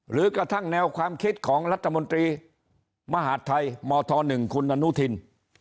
หรือกระทั่งแนวความคิดของรัฐบริมหาดไทยหมหนึ่งคุณนานุทิม